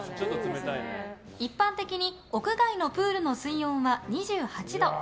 一般的に屋外のプールの水温は２８度。